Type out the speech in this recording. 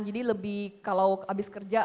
jadi lebih kalau abis kerja